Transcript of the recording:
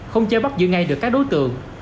không che bắp giữ ngay được các đối tượng